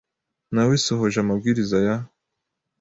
Nawesohoje amabwiriza ya .